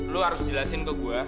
lo harus jelasin ke gue